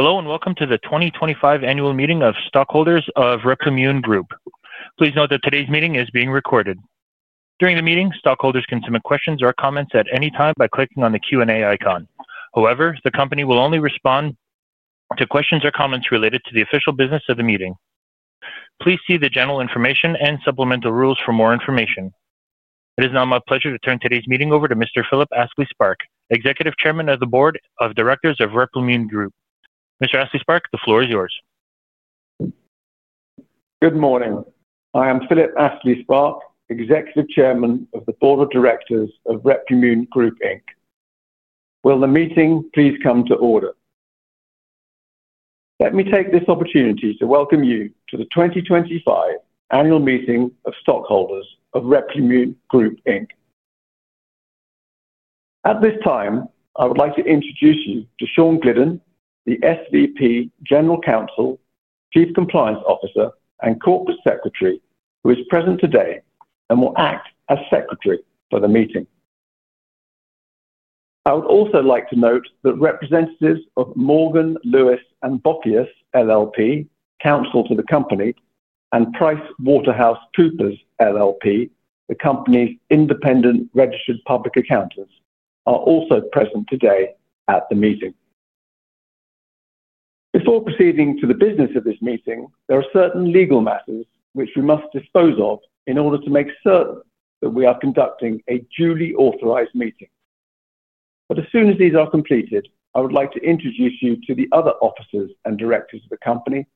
Hello, and welcome to the 2025 annual meeting of stockholders of Replimune Group. Please note that today's meeting is being recorded. During the meeting, stockholders can submit questions or comments at any time by clicking on the Q&A icon. However, the company will only respond to questions or comments related to the official business of the meeting. Please see the general information and supplemental rules for more information. It is now my pleasure to turn today's meeting over to Mr. Philip Astley-Sparke, Executive Chairman of the Board of Directors of Replimune Group. Mr. Astley-Sparke, the floor is yours. Good morning. I am Philip Astley-Sparke, Executive Chairman of the Board of Directors of Replimune Group Inc. Will the meeting please come to order? Let me take this opportunity to welcome you to the 2025 annual meeting of stockholders of Replimune Group Inc. At this time, I would like to introduce you to Shawn Glidden, the SVP General Counsel, Chief Compliance Officer, and Corporate Secretary, who is present today and will act as Secretary for the meeting. I would also like to note that representatives of Morgan, Lewis & Bockius LLP, counsel to the company, and PricewaterhouseCoopers LLP, the company's independent registered public accountants, are also present today at the meeting. Before proceeding to the business of this meeting, there are certain legal matters which we must dispose of in order to make certain that we are conducting a duly authorized meeting. But as soon as these are completed, I would like to introduce you to the other officers and directors of the company,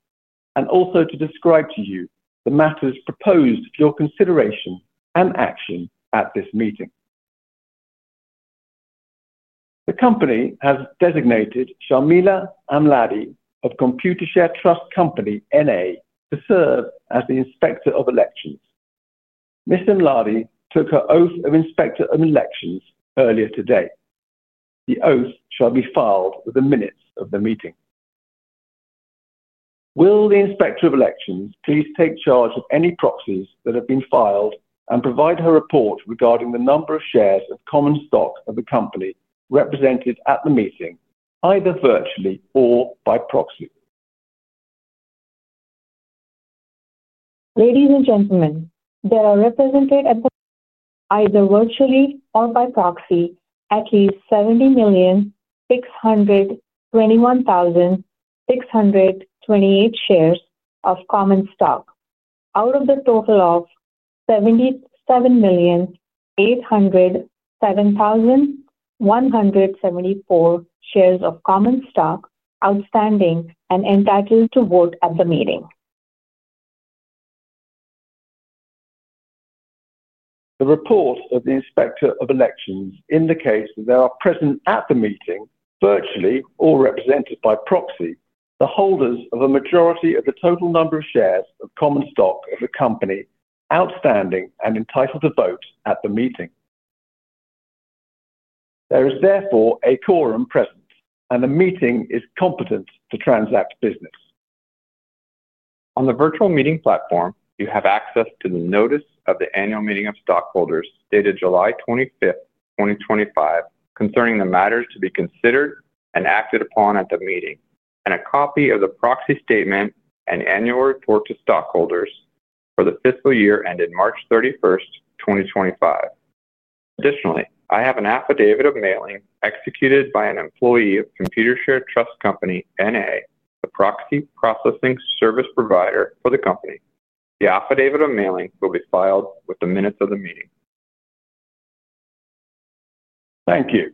and also to describe to you the matters proposed for your consideration and action at this meeting. The company has designated Sharmila Amladi of Computershare Trust Company, N.A. to serve as the Inspector of Elections. Ms. Amladi took her oath of Inspector of Elections earlier today. The oath shall be filed within minutes of the meeting. Will the Inspector of Elections please take charge of any proxies that have been filed and provide her report regarding the number of shares of common stock of the company represented at the meeting, either virtually or by proxy? Ladies and gentlemen, there are represented at the meeting either virtually or by proxy at least 70,621,628 shares of common stock, out of the total of 77,807,174 shares of common stock outstanding and entitled to vote at the meeting. The report of the Inspector of Elections indicates that there are present at the meeting, virtually or represented by proxy, the holders of a majority of the total number of shares of common stock of the company outstanding and entitled to vote at the meeting. There is therefore a quorum present, and the meeting is competent to transact business. On the virtual meeting platform, you have access to the notice of the annual meeting of stockholders dated July 25th, 2025, concerning the matters to be considered and acted upon at the meeting, and a copy of the proxy statement and annual report to stockholders for the fiscal year ended March 31st, 2025. Additionally, I have an affidavit of mailing executed by an employee of Computershare Trust Company, N.A., the proxy processing service provider for the company. The affidavit of mailing will be filed within minutes of the meeting. Thank you.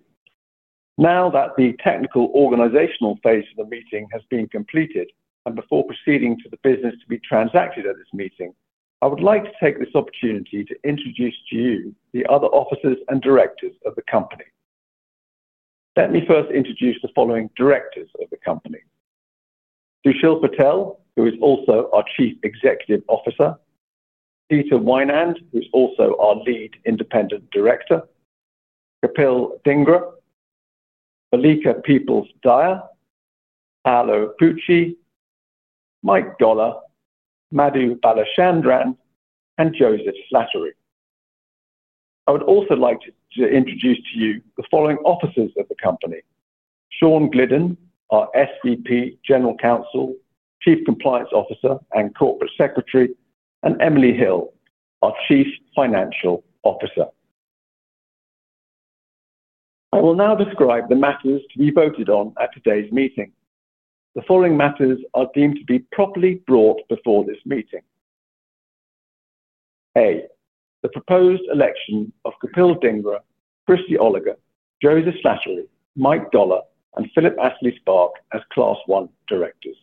Now that the technical organizational phase of the meeting has been completed, and before proceeding to the business to be transacted at this meeting, I would like to take this opportunity to introduce to you the other officers and directors of the company. Let me first introduce the following directors of the company: Sushil Patel, who is also our Chief Executive Officer; Dieter Weinand, who is also our Lead Independent Director; Kapil Dhingra; Veleka Peeples-Dyer; Paolo Pucci; Mike Goller; Madhu Balachandran; and Joseph Slattery. I would also like to introduce to you the following officers of the company: Shawn Glidden, our SVP General Counsel, Chief Compliance Officer and Corporate Secretary; and Emily Hill, our Chief Financial Officer. I will now describe the matters to be voted on at today's meeting. The following matters are deemed to be properly brought before this meeting: A. The proposed election of Kapil Dhingra, Christy Oliger, Joseph Slattery, Mike Goller, and Philip Astley-Sparke as Class I Directors.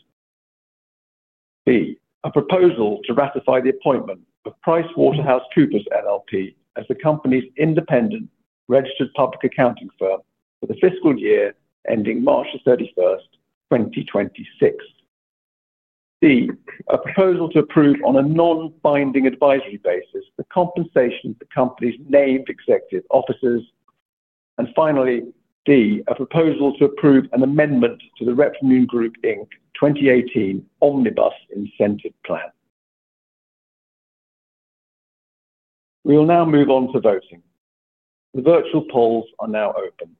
B. A proposal to ratify the appointment of PricewaterhouseCoopers LLP as the company's independent registered public accounting firm for the fiscal year ending March 31, 2026. C. A proposal to approve on a non-binding advisory basis the compensation of the company's named executive officers. And finally, D. A proposal to approve an amendment to the Replimune Group Inc 2018 Omnibus Incentive Plan. We will now move on to voting. The virtual polls are now open.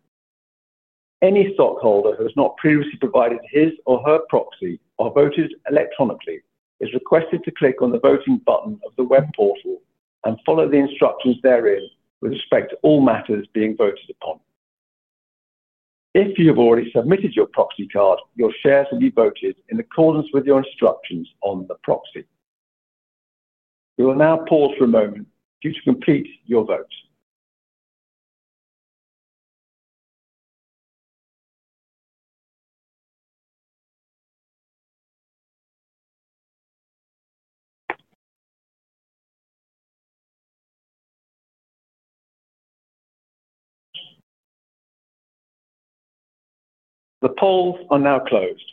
Any stockholder who has not previously provided his or her proxy or voted electronically is requested to click on the voting button of the web portal and follow the instructions therein with respect to all matters being voted upon. If you have already submitted your proxy card, your shares will be voted in accordance with your instructions on the proxy. We will now pause for a moment for you to complete your vote. The polls are now closed.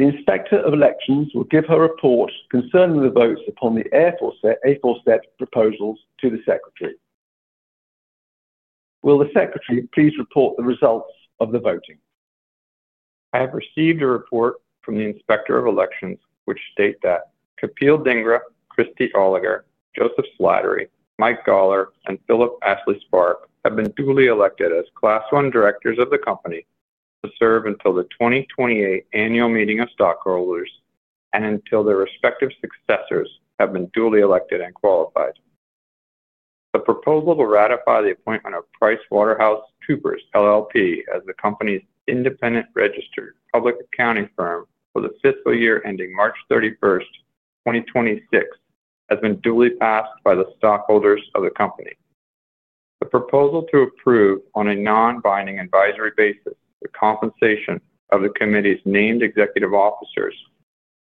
The Inspector of Elections will give her report concerning the votes upon the aforesaid proposals to the Secretary. Will the Secretary please report the results of the voting? I have received a report from the Inspector of Elections which states that Kapil Dhingra, Christy Oliger, Joseph Slattery, Mike Goller, and Philip Astley-Sparke have been duly elected as Class I Directors of the company to serve until the 2028 annual meeting of stockholders and until their respective successors have been duly elected and qualified. The proposal to ratify the appointment of PricewaterhouseCoopers LLP as the company's independent registered public accounting firm for the fiscal year ending March 31st, 2026, has been duly passed by the stockholders of the company. The proposal to approve on a non-binding advisory basis the compensation of the committee's named executive officers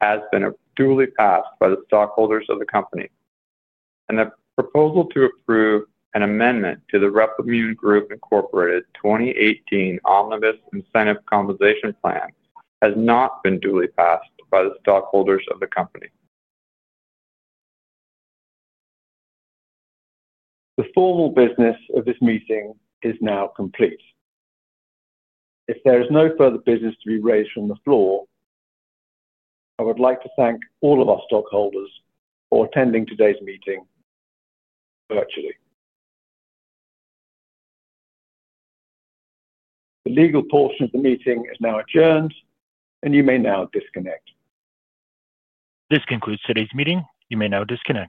has been duly passed by the stockholders of the company. The proposal to approve an amendment to the Replimune Group, Incorporated 2018 Omnibus Incentive Plan has not been duly passed by the stockholders of the company. The formal business of this meeting is now complete. If there is no further business to be raised from the floor, I would like to thank all of our stockholders for attending today's meeting virtually. The legal portion of the meeting is now adjourned, and you may now disconnect. This concludes today's meeting. You may now disconnect.